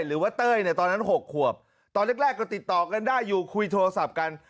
เต้ยเนี่ยตอนนั้น๖ขวบตอนแรกก็ติดต่อกันได้อยู่คุยโทรศัพท์กัน